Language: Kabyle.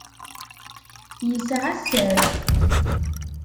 Yesεa sser.